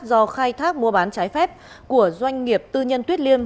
do khai thác mua bán trái phép của doanh nghiệp tư nhân tuyết liêm